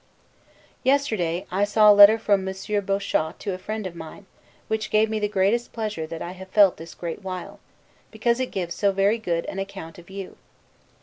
Yesterday, I saw a letter from Monsieur Bochat to a friend of mine; which gave me the greatest pleasure that I have felt this great while; because it gives so very good an account of you.